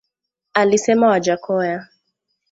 Alisema Wajackoya